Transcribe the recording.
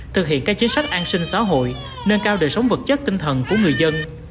thực hiện các chính sách an sinh xã hội nâng cao đời sống vật chất tinh thần của người dân